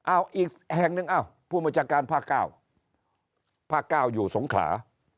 อ้าวอีกแห่งนึงผู้มจการภาคเกล้าภาคเกล้าอยู่สงขา